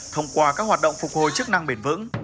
thông qua các hoạt động phục hồi chức năng bền vững